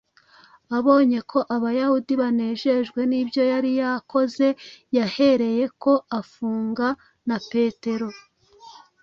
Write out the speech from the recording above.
Abonye ko abayahudi banejejwe n’ibyo yari yakoze yahereyeko afunga na Petero.